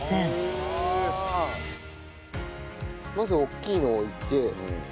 まずおっきいのを置いて。